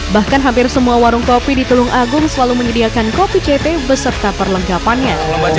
bahkan hampir semua warung kopi di tulung agung selalu menyediakan kopi ct beserta perlengkapannya